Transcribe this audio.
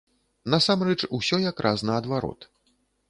Насамрэч, усё якраз наадварот.